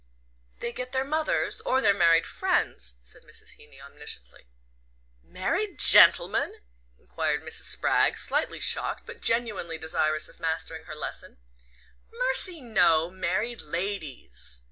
"They get their mothers or their married friends," said Mrs. Heeny omnisciently. "Married gentlemen?" enquired Mrs. Spragg, slightly shocked, but genuinely desirous of mastering her lesson. "Mercy, no! Married ladies."